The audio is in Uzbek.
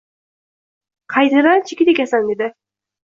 Qaytadan chigit ekasan dedi.